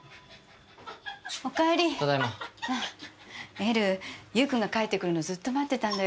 エルゆう君が帰って来るのずっと待ってたんだよ。